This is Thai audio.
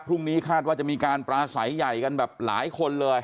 พรุ่งนี้คาดว่าจะมีการปลาใสใหญ่กันแบบหลายคนเลย